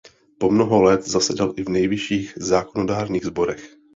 Po mnoho let zasedal i v nejvyšších zákonodárných sborech.